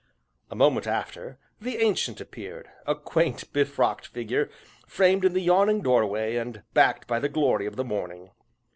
A moment after, the Ancient appeared, a quaint, befrocked figure, framed in the yawning doorway and backed by the glory of the morning.